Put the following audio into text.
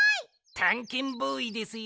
たんけんボーイですよ。